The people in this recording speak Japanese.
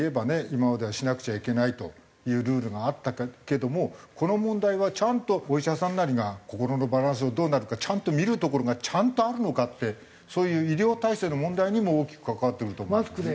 今まではしなくちゃいけないというルールがあったけどもこの問題はちゃんとお医者さんなりが心のバランスがどうなるかちゃんと診るところがちゃんとあるのかってそういう医療体制の問題にも大きく関わってくると思うんだよね。